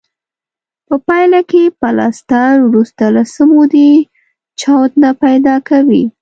په پایله کې پلستر وروسته له څه مودې چاود نه پیدا کوي.